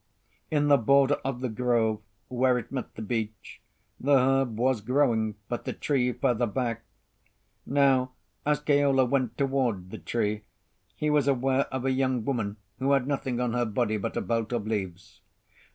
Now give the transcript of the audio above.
In the border of the grove, where it met the beach, the herb was growing, but the tree further back. Now, as Keola went toward the tree, he was aware of a young woman who had nothing on her body but a belt of leaves.